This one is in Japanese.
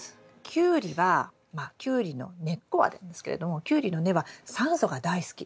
キュウリはキュウリの根っこはなんですけれどもキュウリの根は酸素が大好き。